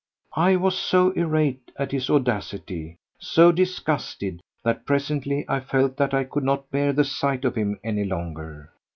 I was so irate at his audacity, so disgusted that presently I felt that I could not bear the sight of him any longer.